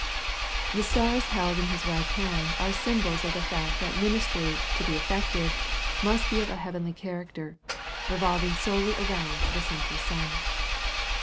The stars held in His right hand are symbols of the fact that ministry to be effective, must be of heavenly character, revolving solely around the central sun.